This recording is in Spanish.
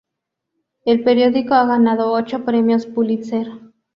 El periódico ha ganado ocho Premios Pulitzer.